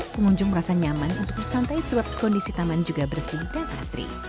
pengunjung merasa nyaman untuk bersantai sebab kondisi taman juga bersih dan asri